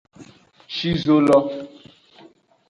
Shi zo lo.